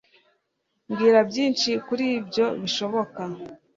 Mbwira byinshi kuri ibyo bishoboka